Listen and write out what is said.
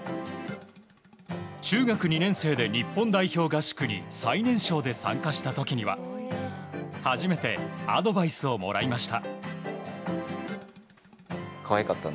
中学２年生で日本代表合宿に最年少で参加した時には初めてアドバイスをもらいました。